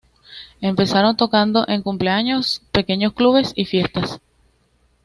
Empezaron tocando en cumpleaños, pequeños clubes y fiestas.